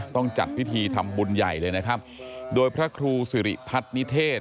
ต้องจัดพิธีทำบุญใหญ่เลยนะครับโดยพระครูสิริพัฒนิเทศ